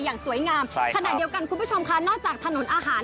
อย่างปีนี้เนี่ยค่ะบรรยากาศคึกคักมาก